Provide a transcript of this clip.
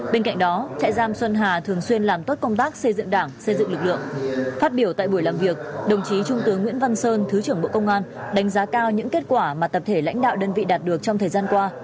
bên cạnh đó trại giam xuân hà thường xuyên làm tốt công tác xây dựng đảng xây dựng lực lượng phát biểu tại buổi làm việc đồng chí trung tướng nguyễn văn sơn thứ trưởng bộ công an đánh giá cao những kết quả mà tập thể lãnh đạo đơn vị đạt được trong thời gian qua